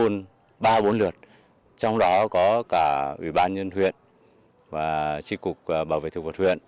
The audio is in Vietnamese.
nên ba bốn lượt trong đó có cả ủy ban nhân huyện và tri cục bảo vệ thu hoạch huyện